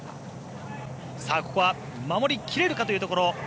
ここは守り切れるかというところ。